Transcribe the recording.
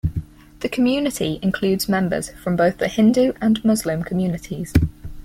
The community includes members from both the Hindu and Muslim communities.